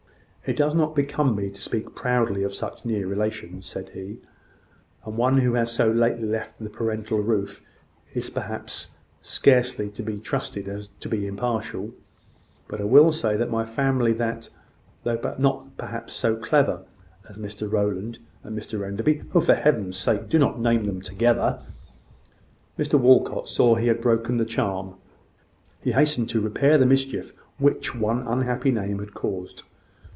"It does not become me to speak proudly of such near relations," said he; "and one who has so lately left the parental roof is, perhaps, scarcely to be trusted to be impartial; but I will say for my family that, though not perhaps so clever as Mrs Rowland and Mr Enderby " "Oh, for Heaven's sake, do not name them together!" Mr Walcot saw that he had broken the charm: he hastened to repair the mischief which one unhappy name had caused.